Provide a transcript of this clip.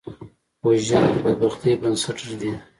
وژنه د بدبختۍ بنسټ ږدي